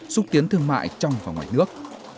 xúc tiến thương mại trong và ngoài nước